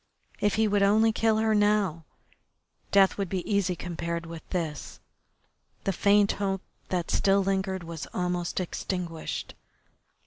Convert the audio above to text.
If he would only kill her now. Death would be easy compared with this. The faint hope that still lingered was almost extinguished.